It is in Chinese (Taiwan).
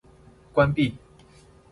關閉